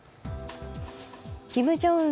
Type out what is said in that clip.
キム・ジョンウン